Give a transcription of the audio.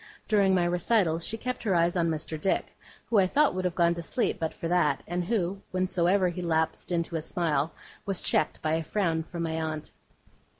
During my recital, she kept her eyes on Mr. Dick, who I thought would have gone to sleep but for that, and who, whensoever he lapsed into a smile, was checked by a frown from my aunt.